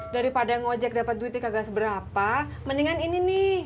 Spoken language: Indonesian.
daripada ngojek dapet duitnya kagak seberapa mendingan ini nih